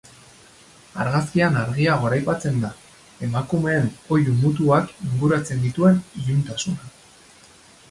Argazkian argia goraipatzen da, emakumeen oihu mutuak inguratzen dituen iluntasuna.